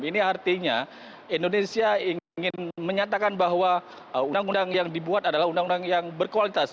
ini artinya indonesia ingin menyatakan bahwa undang undang yang dibuat adalah undang undang yang berkualitas